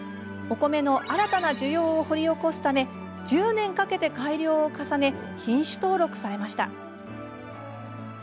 米の新たな需要を掘り起こすため１０年かけて改良を重ね品種登録されました。